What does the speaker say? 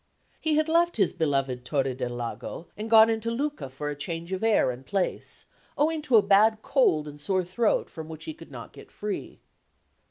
He had left his beloved Torre del Lago and gone into Lucca for a change of air and place, owing to a bad cold and sore throat from which he could not get free.